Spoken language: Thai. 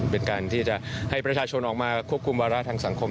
เป็นการที่จะให้ประชาชนออกมาควบคุมวาระทางสังคม